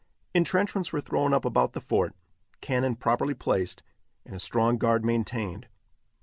Intrenchments were thrown up about the fort, cannon properly placed, and a strong guard maintained.